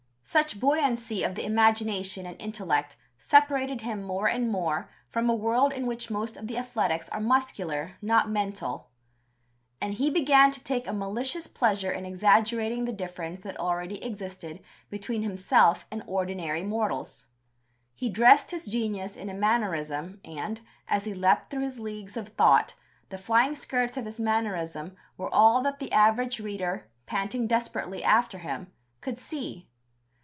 Such buoyancy of the imagination and intellect separated him more and more from a world in which most of the athletics are muscular, not mental; and he began to take a malicious pleasure in exaggerating the difference that already existed between himself and ordinary mortals. He dressed his genius in a mannerism, and, as he leaped through his leagues of thought, the flying skirts of his mannerism were all that the average reader panting desperately after him could see.